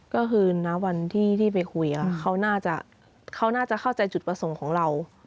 ก็คือน้าวันที่ไปคุยเขาน่าจะเข้าใจจุดประสงค์ของเรา